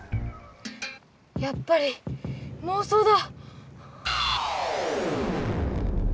やっぱりもう想だ！